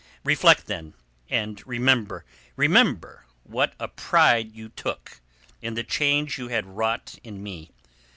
Reflect then, and remember. Remember what a pride you took in the change you had wrought in me.